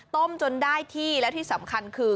จนได้ที่แล้วที่สำคัญคือ